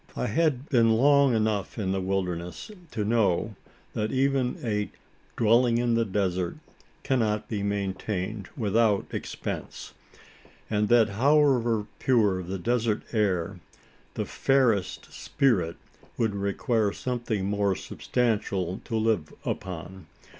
I had been long enough in the wilderness, to know that even a "dwelling in the desert" cannot be maintained without expense; and that however pure the desert air, the fairest "spirit" would require something more substantial to live upon.